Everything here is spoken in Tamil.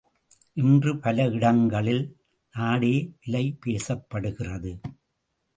இன்று பல இடங்களில் நாடே விலை பேசப்படுகிறது.